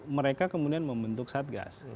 mereka kemudian membentuk satgas